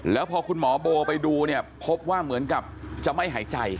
แล้วพอคุณหมอโบไปดูเนี่ยพบว่าเหมือนกับจะไม่หายใจ